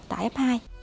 tại ấp hai